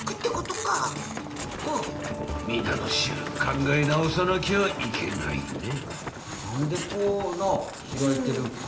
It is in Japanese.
みなのしゅうかんがえなおさなきゃいけないね。